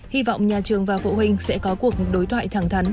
hy vọng nhà trường và phụ huynh sẽ có cuộc đối thoại thẳng thắn